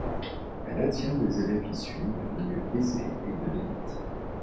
Elle attirent des élèves issues de milieu aisés et de l'élite.